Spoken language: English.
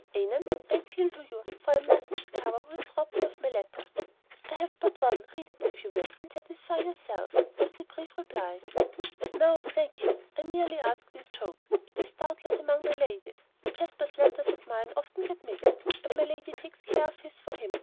"Annon, I appeal to you, for I must discover who has robbed me of my letter." "I have but one, read it, if you will, and satisfy yourself" was the brief reply. "No, thank you. I merely asked in joke; it is doubtless among my lady's. Jasper's letters and mine often get mixed, and my lady takes care of his for him.